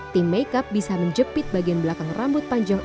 tim make up bisa menjepit bagian belakang rambut panjang